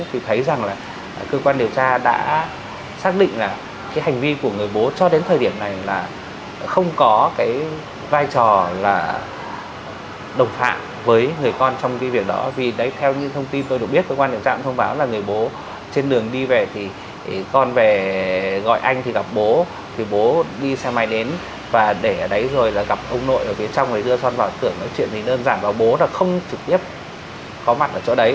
thì thấy rằng là cơ quan điều tra đã xác định là cái hành vi của người bố cho đến thời điểm này là không có cái vai trò là đồng phạm với người con trong cái việc đó vì đấy theo những thông tin tôi được biết cơ quan điều tra cũng thông báo là người bố trên đường đi về thì con về gọi anh thì gặp bố thì bố đi sang mai đến và để ở đấy rồi là gặp ông nội ở phía trong rồi đưa con vào cửa nói chuyện thì đơn giản và bố là không trực tiếp có mặt ở chỗ đấy